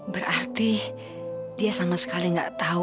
berarti dia sama sekali nggak tahu